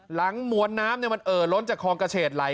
หลังมวดน้ำมันเอ่อล้นจากคอลกเกาเฉดไหล